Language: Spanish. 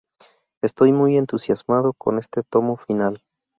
Estoy muy entusiasmado con este tomo final.